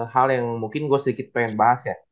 hal yang mungkin gue sedikit pengen bahas ya